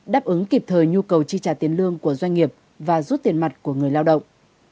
đáp ứng kịp thời nhu cầu chi trả tiền lương của doanh nghiệp và rút tiền mặt của người lao động